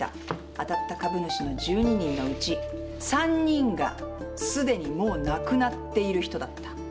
当たった株主の１２人のうち３人が既にもう亡くなっている人だった。